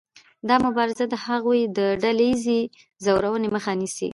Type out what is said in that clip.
دا مبارزه د هغوی د ډله ایزې ځورونې مخه نیسي.